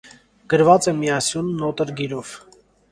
Գրված է միասյուն, նոտրգիրով։